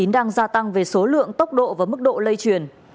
đang gia tăng về số lượng tốc độ và mức độ lây truyền